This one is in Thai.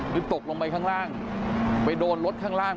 คือตกลงไปข้างล่างไปโดนรถข้างล่าง